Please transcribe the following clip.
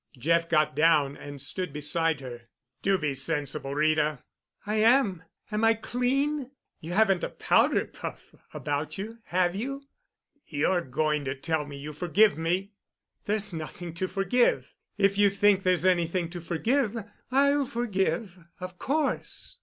Jeff got down and stood beside her. "Do be sensible, Rita." "I am—am I clean? You haven't a powder puff about you—have you?" "You're going to tell me you forgive me?" "There's nothing to forgive. If you think there's anything to forgive, I'll forgive—of course."